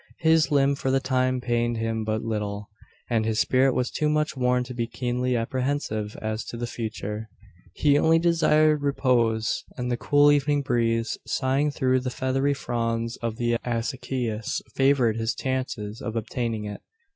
His limb for the time pained him but little; and his spirit was too much worn to be keenly apprehensive as to the future. He only desired repose; and the cool evening breeze, sighing through the feathery fronds of the acacias, favoured his chances of obtaining it.